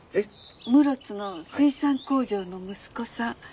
室津の水産工場の息子さん。